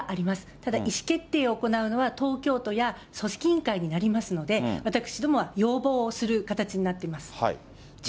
ただ、意思決定を行うのは東京都や組織委員会になりますので、私どもは要望をする形になっています。